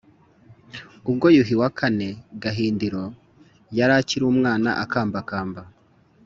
ubwo yuhi iv gahindiro yari akiri umwana akambakamba